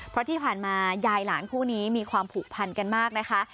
เพราะที่ผ่านมายายหลานคู่นี้มีความผูกพันกันมากนะคะ